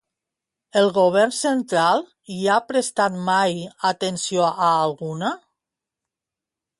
El Govern central hi ha prestat mai atenció a alguna?